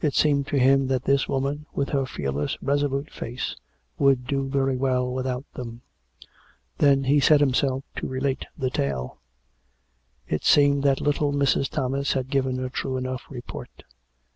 COME ROPE! 231 seemed to him that this woman, with her fearless, resolute face, would do very well without them. Then he set himself to relate the tale. It seemed that little Mrs. Thomas had given a true enough report.